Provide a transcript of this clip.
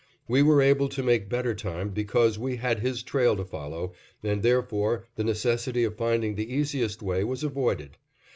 We were able to make better time because we had his trail to follow, and, therefore, the necessity of finding the easiest way was avoided.